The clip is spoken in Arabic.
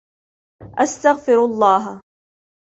أستغفر الله.